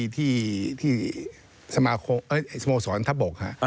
ที่สโมสรทะบกฮะ